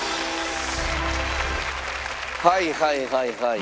はいはいはいはい。